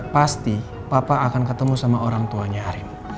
pasti papa akan ketemu sama orang tuanya arin